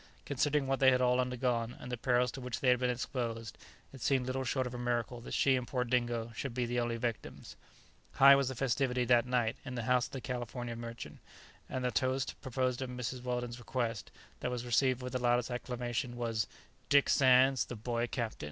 Considering what they had all undergone, and the perils to which they had been exposed, it seemed little short of a miracle that she and poor Dingo should be the only victims. High was the festivity that night in the house of the Californian merchant, and the toast, proposed at Mrs. Weldon's request, that was received with the loudest acclamation was "DICK SANDS, THE BOY CAPTAIN!"